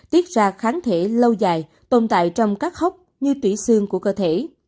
tiết ra kháng thể lâu dài tồn tại trong các hốc như tủy xương của cơ thể